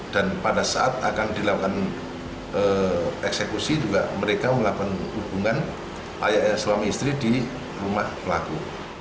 dan pada saat akan dilakukan eksekusi juga mereka melakukan hubungan ayah ayah suami istri di rumah pelaku